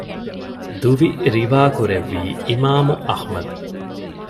ދުވި ރިވާކުރެއްވީ އިމާމު އަޙްމަދު